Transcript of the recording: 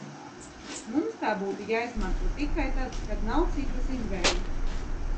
Mums tā būtu jāizmanto tikai tad, kad nav citas izvēles.